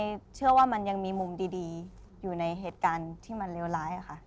เชื่อว่ามันยังมีมุมดีอยู่ในเหตุการณ์ที่มันเลวร้ายค่ะ